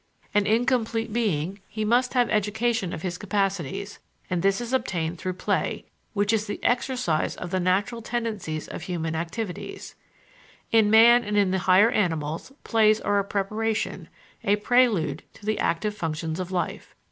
An incomplete being, he must have education of his capacities, and this is obtained through play, which is the exercise of the natural tendencies of human activities. In man and in the higher animals plays are a preparation, a prelude to the active functions of life.